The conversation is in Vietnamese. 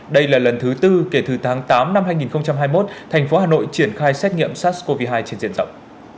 đây là lần thứ tư kể từ tháng tám năm hai nghìn hai mươi một thành phố hà nội triển khai xét nghiệm sars cov hai trên diện rộng